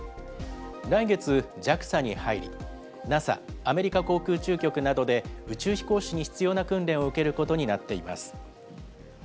来月、ＪＡＸＡに入り、ＮＡＳＡ・アメリカ航空宇宙局などで宇宙飛行士に必要な訓練を受けることになっています。